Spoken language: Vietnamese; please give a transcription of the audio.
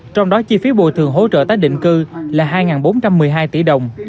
trong đó chi phí bồi thường hỗ trợ tái định cư là hai bốn trăm một mươi hai tỷ đồng